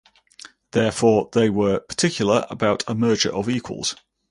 Therefore, they were particular about "a merger of equals".